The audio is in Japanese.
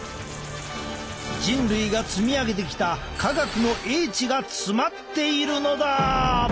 人類が積み上げてきた科学の叡智が詰まっているのだ！